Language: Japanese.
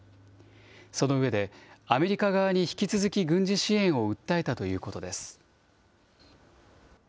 その上で、アメリカ側に引き続き軍事支援を訴えたということです。